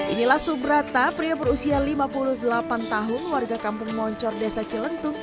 inilah subrata pria berusia lima puluh delapan tahun warga kampung moncor desa celentung